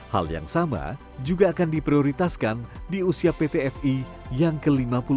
hal yang sama juga akan diprioritaskan di usia pt fi yang ke lima puluh dua